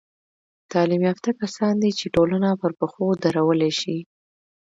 تعلیم یافته کسان دي، چي ټولنه پر پښو درولاى سي.